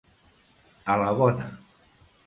A la bona.